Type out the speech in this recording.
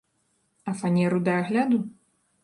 А фанеру да агляду?